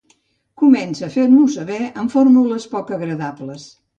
Comença a fer-m'ho saber amb fórmules poc agradables.